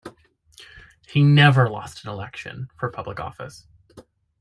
He never lost an election for public office.